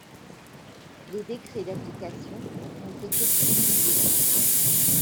Les décrets d'application ont été publiés.